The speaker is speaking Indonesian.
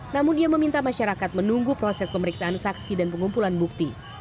namun dia meminta masyarakat menunggu proses pemeriksaan saksi dan pengumpulan bukti